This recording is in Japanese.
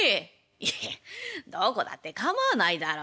「いやどこだって構わないだろ。